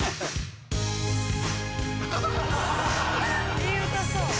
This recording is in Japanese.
いい歌そう。